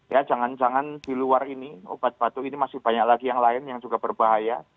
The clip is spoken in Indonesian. ya jangan jangan di luar ini obat batuk ini masih banyak lagi yang lain yang juga berbahaya